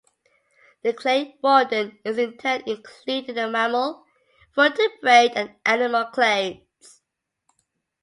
The clade "rodent" is in turn included in the mammal, vertebrate and animal clades.